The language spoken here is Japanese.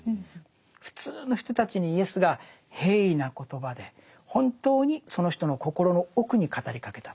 普通の人たちにイエスが平易な言葉で本当にその人の心の奥に語りかけた。